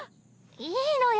いいのよ。